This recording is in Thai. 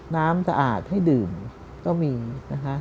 น้ำสะอาดให้ดื่มก็มีนะคะ